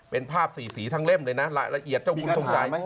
เป็นภาพสี่สีทั้งเล่มเลยนะรายละเอียดเจ้าบุญทรงชัย